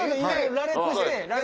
羅列して。